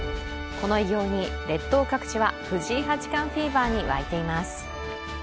この偉業に列島各地は藤井八冠フィーバーに沸いています。